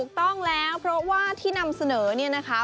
ถูกต้องแล้วเพราะว่าที่นำเสนอเนี่ยนะคะ